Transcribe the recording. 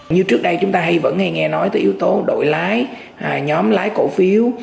như trước đây chúng ta vẫn hay nghe nói tới yếu tố đội lái nhóm lái cổ phiếu